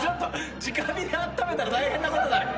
じか火であっためたら大変なことになる。